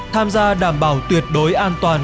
tham gia đảm bảo tuyệt đối an toàn